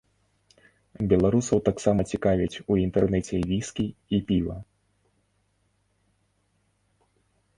Беларусаў таксама цікавяць у інтэрнэце віскі і піва.